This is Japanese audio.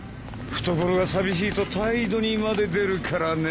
懐が寂しいと態度にまで出るからね。